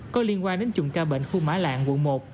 có liên quan đến chùm ca bệnh khu mã lạng quận một